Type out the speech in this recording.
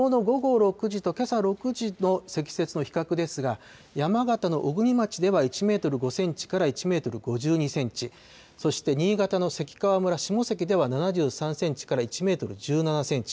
６時の積雪の比較ですが、山形の小国町では１メートル５センチから１メートル５２センチ、そして新潟の関川村下関では７３センチから１メートル１７センチ。